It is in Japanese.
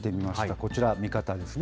こちら見方ですね。